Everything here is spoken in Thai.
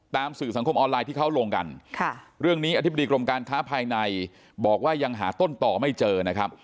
สื่อสังคมออนไลน์ที่เขาลงกันเรื่องนี้อธิบดีกรมการค้าภายในบอกว่ายังหาต้นต่อไม่เจอนะครับ